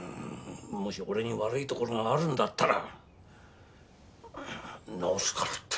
もし俺に悪いところがあるんだったら直すからって。